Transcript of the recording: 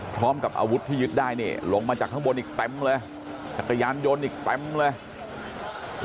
พร้อมกับอาวุธที่ยึดได้นี่ลงมาจากข้างบนอีกเต็มเลยจักรยานยนต์อีกเต็มเลย